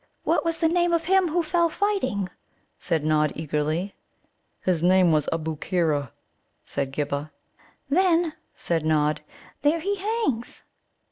"What was the name of him who fell fighting?" said Nod eagerly. "His name was Ubbookeera," said Ghibba. "Then," said Nod, "there he hangs."